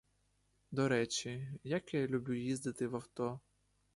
До речі: як я люблю їздити в авто!